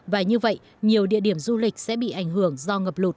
và như vậy nhiều địa điểm du lịch sẽ bị ảnh hưởng do ngập lụt